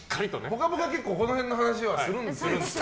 「ぽかぽか」、結構この辺の話はするんですよ。